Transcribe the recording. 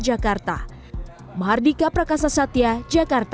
jakarta mahardika prakasa satya jakarta